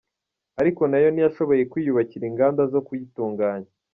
Ariko na yo ntiyashoboye kwiyubakira inganda zo kuyitunganya .